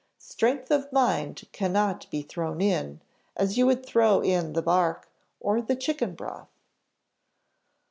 Strength of mind cannot be thrown in, as you would throw in the bark, or the chicken broth."